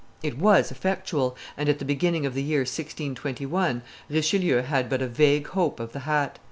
It was effectual; and, at the beginning of the year 1621, Richelieu had but a vague hope of the hat.